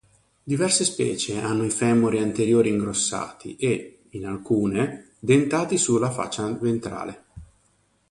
Diverse specie hanno i femori anteriori ingrossati e, in alcune, dentati sulla faccia ventrale.